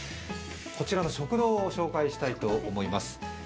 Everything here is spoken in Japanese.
こちらの食堂を紹介したいと思います。